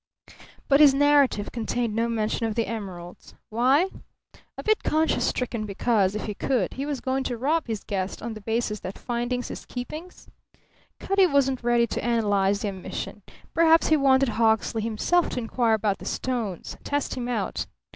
But his narrative contained no mention of the emeralds. Why? A bit conscience stricken because, if he could, he was going to rob his guest on the basis that findings is keepings? Cutty wasn't ready to analyze the omission. Perhaps he wanted Hawksley himself to inquire about the stones; test him out.